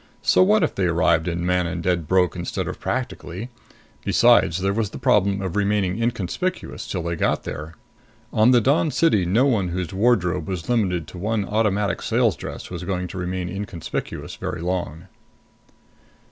So what if they arrived in Manon dead broke instead of practically? Besides, there was the problem of remaining inconspicuous till they got there. On the Dawn City no one whose wardrobe was limited to one Automatic Sales dress was going to remain inconspicuous very long.